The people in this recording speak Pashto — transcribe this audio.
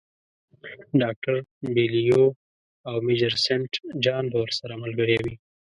ډاکټر بیلیو او میجر سینټ جان به ورسره ملګري وي.